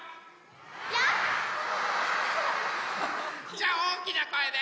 じゃあおおきなこえで。